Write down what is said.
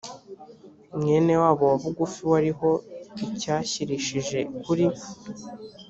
mwene wabo wa bugufi wariho icyashyirishije kuri